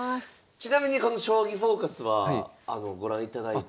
ちなみにこの「将棋フォーカス」はご覧いただいて。